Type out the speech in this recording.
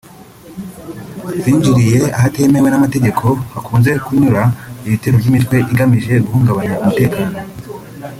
binjiriye ahatemewe n’amategeko hakunze kunyura ibitero by’imitwe igamije guhungabanya umutekano